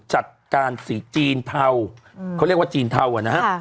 จัดการสีจีนเทาเขาเรียกว่าจีนเทาอ่ะนะฮะ